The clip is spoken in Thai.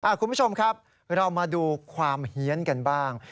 คุณผู้ชมครับเรามาดูความเฮียนกันบ้าง